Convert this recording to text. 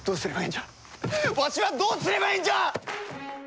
んじゃわしはどうすればええんじゃ！